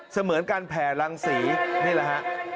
เหมือนการแผ่รังสีนี่แหละฮะ